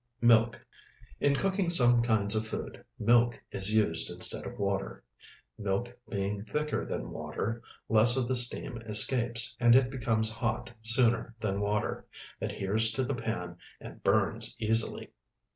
MILK In cooking some kinds of food, milk is used instead of water. Milk being thicker than water, less of the steam escapes, and it becomes hot sooner than water, adheres to the pan, and burns easily.